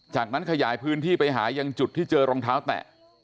จากนั้นขยายพื้นที่ไปหายังจุดที่เจอรองเท้าแตะ